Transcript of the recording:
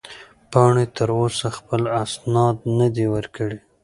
پاڼې تر اوسه خپل اسناد نه دي ورکړي.